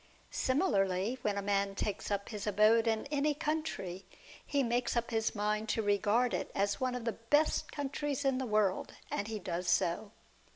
Similarly, when a man takes up his abode in any country, he makes up his mind to regard it as one of the best countries in the world, and he does so.